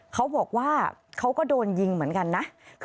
เขาบอกว่าเขาก็โดนยิงเหมือนกันนะ